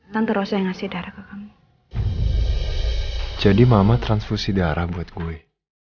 tante rosa yang ngasih darah ke kamu jadi mama transfusi darah buat gue